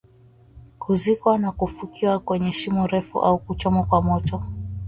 kuzikwa na kufukiwa kwenye shimo refu au kuchomwa kwa moto